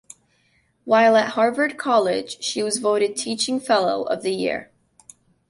While at Harvard College she was voted Teaching Fellow of the Year.